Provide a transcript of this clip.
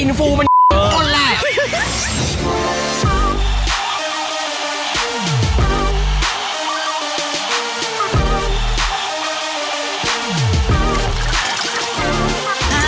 อินฟูมันคนแหละ